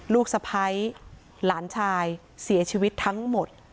ลูกสะพ้ายหลานชายเสียชีวิตทั้งหมด